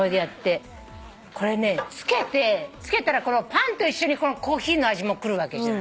これねつけたらこれをパンと一緒にコーヒーの味もくるわけじゃん。